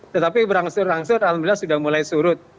tetapi berangsur angsur alhamdulillah sudah mulai surut